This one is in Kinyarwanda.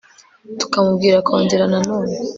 tukamubwira kongera na none